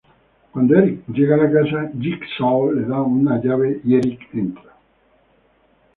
Cuando Eric llega a la casa, Jigsaw le da una llave y Eric entra.